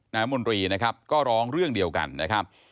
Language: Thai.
มนตรีนะครับก็ร้องเรื่องเดียวกันนะครับ